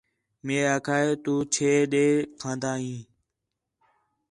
مئے آکھا ہِے تو چھے ݙے کھان٘دا ہیں